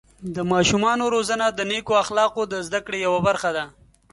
د ماشومانو روزنه د نیکو اخلاقو د زده کړې یوه برخه ده.